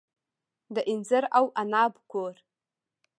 د انځر او عناب کور.